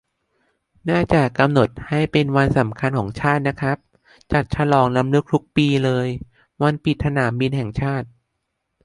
น่าจะกำหนดให้เป็นวันสำคัญของชาตินะครับ จัดฉลองรำลึกทุกปีเลย วันปิดสนามบินแห่งชาติ